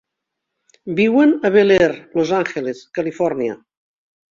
Viuen a Bel Air, Los Angeles, Califòrnia.